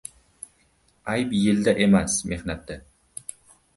Ayb yilda emas, mehnatda.